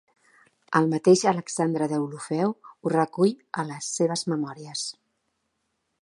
El mateix Alexandre Deulofeu ho recull a les seves memòries.